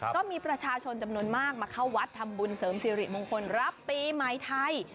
ก็มีประชาชนจำนวนมากมาเข้าวัดทำบุญเสริมสิริมงคลรับปีใหม่ไทย